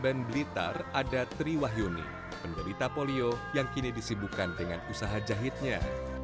di kabupaten blitar ada tri wahyuni penderita polio yang kini disibukan dengan usaha jahitnya